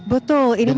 betul ini memang